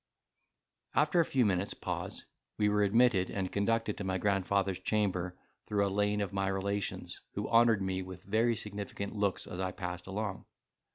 After a few minutes pause we were admitted, and conducted to my grandfather's chamber through a lane of my relations, who honoured me with very significant looks as I passed along.